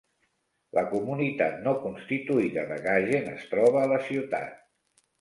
La comunitat no constituïda de Gagen es troba a la ciutat.